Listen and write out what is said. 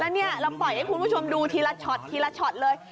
แล้วเนี่ยเราปล่อยให้คุณผู้ชมดูทีละช็อตทีละช็อตเลย